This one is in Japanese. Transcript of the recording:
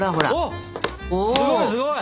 おおすごいすごい！